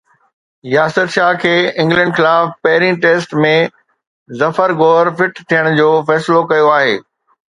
ياسر شاهه کي انگلينڊ خلاف پهرين ٽيسٽ ۾ ظفر گوهر فٽ ٿيڻ جو فيصلو ڪيو آهي